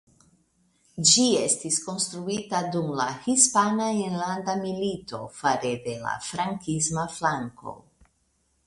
Ĝi estis konstruita dum la Hispana Enlanda Milito fare de la frankisma flanko.